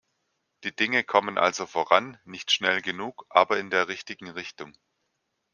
Die Dinge kommen also voran, nicht schnell genug, aber in der richtigen Richtung.